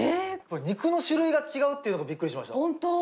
肉の種類が違うっていうのがびっくりしました。